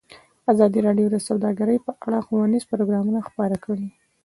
ازادي راډیو د سوداګري په اړه ښوونیز پروګرامونه خپاره کړي.